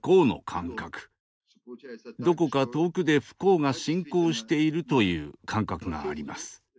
どこか遠くで不幸が進行しているという感覚があります。